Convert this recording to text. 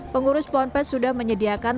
pengurus pondok pesantren sudah menyediakan